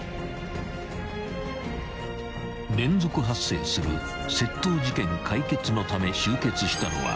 ［連続発生する窃盗事件解決のため集結したのは］